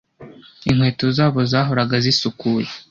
inkweto zabo zahoraga zisukuye